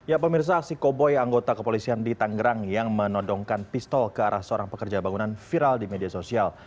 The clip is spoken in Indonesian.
ya pemirsa aksi koboi anggota kepolisian di tanggerang yang menodongkan pistol ke arah seorang pekerja bangunan viral di media sosial